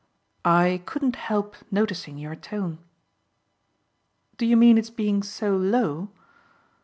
"I couldn't help noticing your tone." "Do you mean its being so low?"